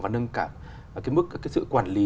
nâng cả cái mức cái sự quản lý